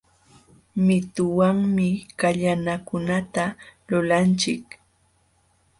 Mituwanmi kallanakunata lulanchik